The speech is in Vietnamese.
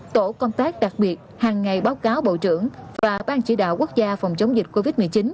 tổ công tác đặc biệt hàng ngày báo cáo bộ trưởng và ban chỉ đạo quốc gia phòng chống dịch covid một mươi chín